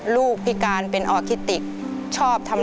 รายการต่อไปนี้เป็นรายการทั่วไปสามารถรับชมได้ทุกวัย